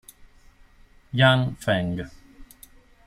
Yan Feng